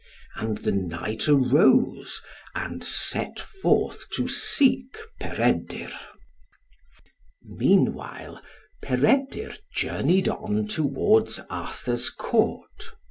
And the knight arose, and set forth to seek Peredur. Meanwhile Peredur journeyed on towards Arthur's Court.